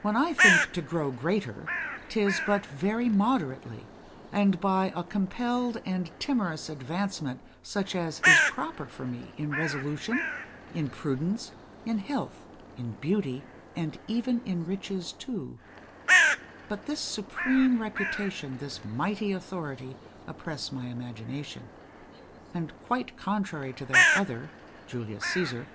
When I think to grow greater, 'tis but very moderately, and by a compelled and timorous advancement, such as is proper for me in resolution, in prudence, in health, in beauty, and even in riches too; but this supreme reputation, this mighty authority, oppress my imagination; and, quite contrary to that other, [Julius Caesar.